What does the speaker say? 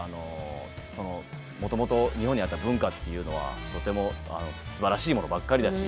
もともと日本にあった文化というのはとてもすばらしいものばかりだし。